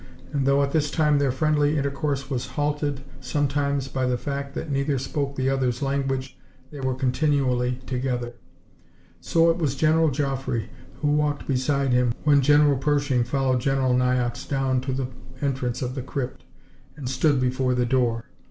And though at this time their friendly intercourse was halted sometimes by the fact that neither spoke the other's language, they were continually together. So it was General Joffre who walked beside him when General Pershing followed General Niox down to the entrance of the crypt, and stood before the door.